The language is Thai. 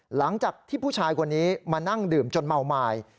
หลังจากที่ผู้ชายคนนี้มานั่งดื่มจนเมาไม้